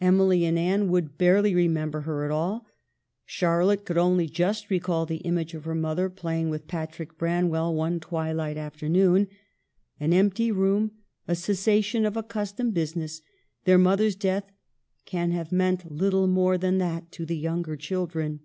Emily and Anne would barely remember her at all. Charlotte could only just recall the image of her mother playing with Patrick Branwell one twilight afternoon. An empty room, a cessation of accustomed business, their mother's death can have meant little more than that to the younger children.